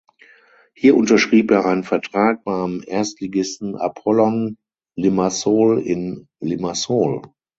Hier unterschrieb er einen Vertrag beim Erstligisten Apollon Limassol in Limassol.